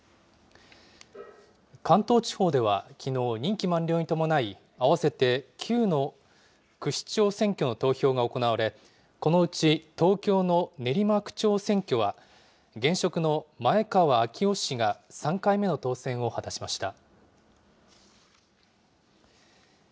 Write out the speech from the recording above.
関東地方では、きのう、任期満了に伴い合わせて９の区市長選挙の投票が行われ、このうち東京の練馬区長選挙は、現職の前川あき男氏が３回目の当選を果たしました。